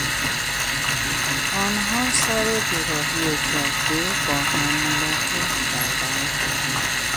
آنها سر دوراهی جاده با هم ملاقات کردند.